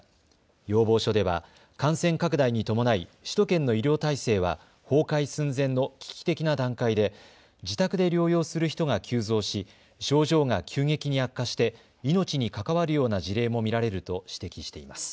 要望書では感染拡大に伴い首都圏の医療体制は崩壊寸前の危機的な段階で自宅で療養する人が急増し症状が急激に悪化して命に関わるような事例も見られると指摘しています。